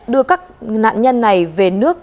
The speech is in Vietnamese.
đưa các nạn nhân này về nước